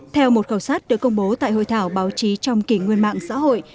theo một khẩu sát được công bố tại hội thảo báo chí trong kỷ nguyên mạng xã hội